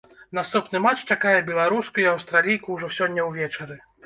Наступны матч чакае беларуску і аўстралійку ўжо сёння ўвечары.